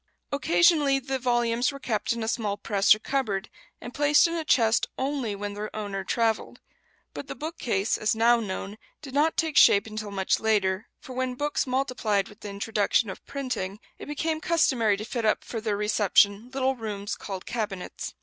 Occasionally the volumes were kept in a small press or cupboard, and placed in a chest only when their owner travelled; but the bookcase, as now known, did not take shape until much later, for when books multiplied with the introduction of printing, it became customary to fit up for their reception little rooms called cabinets.